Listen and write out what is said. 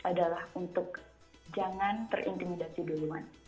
adalah untuk jangan terintimidasi duluan